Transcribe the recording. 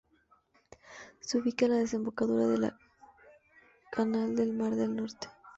Se ubica en la desembocadura de la canal del mar del Norte.